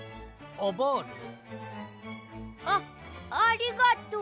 あっありがとう。